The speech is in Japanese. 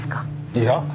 いや。